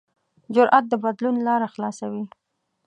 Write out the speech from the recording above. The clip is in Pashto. جرأت د بدلون لاره خلاصوي.